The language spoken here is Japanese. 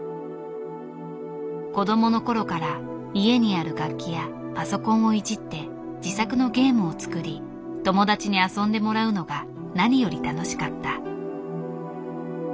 子供の頃から家にある楽器やパソコンをいじって自作のゲームを作り友達に遊んでもらうのが何より楽しかった。